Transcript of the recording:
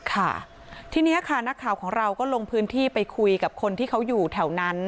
ค่ะทีนี้ค่ะนักข่าวของเราก็ลงพื้นที่ไปคุยกับคนที่เขาอยู่แถวนั้น